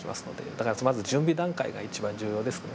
だから準備段階が一番重要ですね。